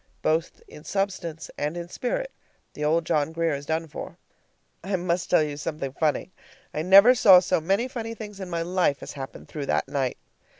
Both in substance and in spirit the old John Grier is done for. I must tell you something funny. I never saw so many funny things in my life as happened through that night.